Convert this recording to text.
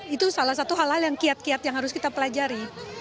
itu salah satu hal hal yang kiat kiat yang harus kita pelajari